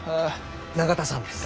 永田さんです。